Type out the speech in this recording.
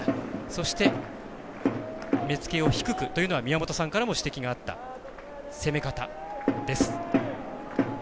そして、目付けを低くというのは宮本さんからも指摘のあった攻め方です。